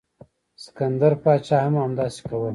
سکندر پاچا هم همداسې کول.